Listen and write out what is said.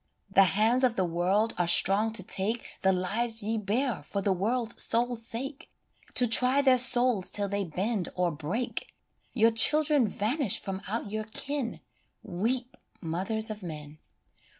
The hands of the world are strong to take The lives ye bear for the world's sole sake, To try their souls till they bend or break : Your children vanish from out your ken Weep, mothers of men